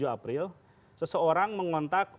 dua puluh tujuh april seseorang mengontak